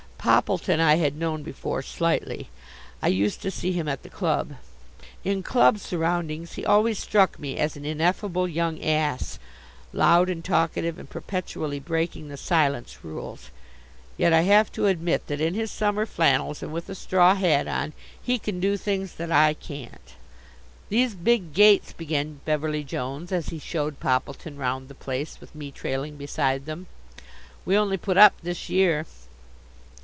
Poppleton I had known before slightly. I used to see him at the club. In club surroundings he always struck me as an ineffable young ass, loud and talkative and perpetually breaking the silence rules. Yet I have to admit that in his summer flannels and with a straw hat on he can do things that I can't. "These big gates," began Beverly Jones as he showed Poppleton round the place with me trailing beside them, "we only put up this year."